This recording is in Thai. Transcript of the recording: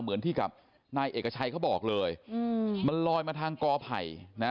เหมือนที่กับนายเอกชัยเขาบอกเลยมันลอยมาทางกอไผ่นะ